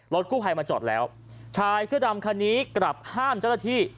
กู้ภัยมาจอดแล้วชายเสื้อดำคันนี้กลับห้ามเจ้าหน้าที่